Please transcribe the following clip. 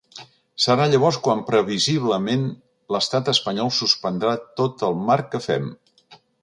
Serà llavors quan previsiblement l’estat espanyol suspendrà tot el marc que fem.